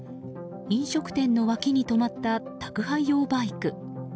飲食店の脇に止まった宅配用バイク。